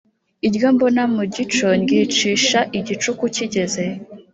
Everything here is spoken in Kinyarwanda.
Iryo mbona mu gico ndyicisha igicuku kigeze,